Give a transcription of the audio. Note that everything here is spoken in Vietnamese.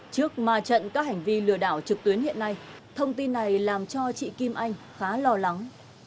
trước ma trận các hành vi lừa đảo trực tuyến hiện nay thông tin này làm cho chị kim anh khá lo lắng